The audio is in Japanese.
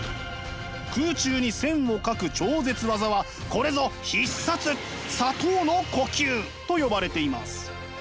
空中に線を描く超絶技はこれぞ必殺砂糖の呼吸！と呼ばれています。